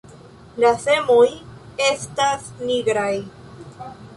La semoj estas nigraj.